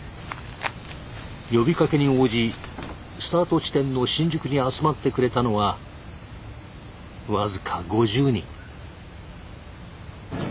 呼びかけに応じスタート地点の新宿に集まってくれたのは僅か５０人。